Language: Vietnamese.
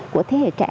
của thế hệ trẻ